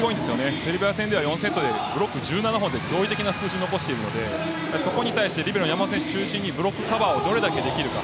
セルビア戦では驚異的な数字を残しているのでそこに対してリベロの山本選手中心にブロックカバーをどれだけできるか。